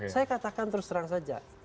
saya katakan terus terang saja